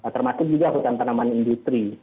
termasuk juga hutan tanaman industri